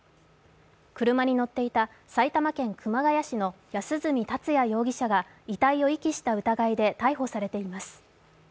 車に乗っていた埼玉県熊谷市の安栖達也容疑者が遺体を遺棄した疑いで逮捕されています。